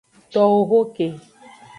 Towo ho ke.